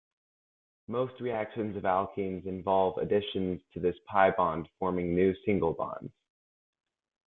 Most reactions of alkenes involve additions to this pi bond, forming new single bonds.